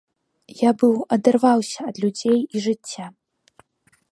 Я быў адарваўся ад людзей і жыцця.